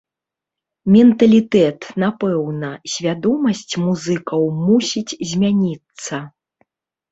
Менталітэт, напэўна, свядомасць музыкаў мусіць змяніцца.